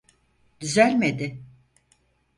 Düzelmedi